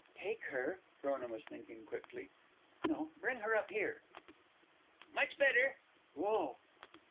Take her," Frona was thinking quickly, "no; bring her up here." "Much better " "Go!"